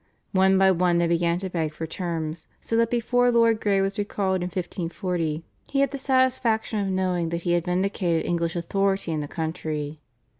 One by one they began to beg for terms, so that before Lord Grey was recalled in 1540 he had the satisfaction of knowing that he had vindicated English authority in the country.